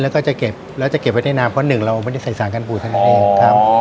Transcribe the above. แล้วก็จะเก็บแล้วจะเก็บไว้ในน้ำเพราะหนึ่งเราไม่ได้ใส่สารการปูเท่านั้นเองครับ